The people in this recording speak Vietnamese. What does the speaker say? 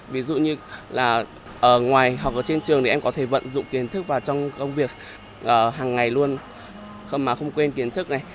ví dụ như là ngoài học ở trên trường thì em có thể vận dụng kiến thức vào trong công việc hàng ngày luôn không mà không quên kiến thức này